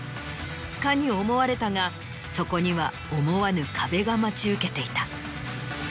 かに思われたがそこには思わぬ壁が待ち受けていた。